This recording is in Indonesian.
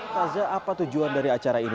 taza apa tujuan dari acara ini